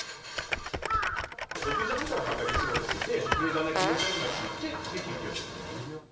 ６時半から畑仕事してて、だんだん気持ち悪くなっていって、救急車。